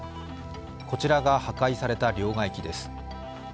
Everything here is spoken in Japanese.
こちらが破壊された両替機です。